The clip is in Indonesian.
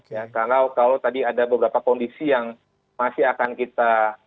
karena kalau tadi ada beberapa kondisi yang masih akan kita